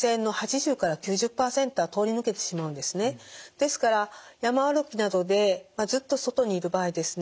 ですから山歩きなどでずっと外にいる場合ですね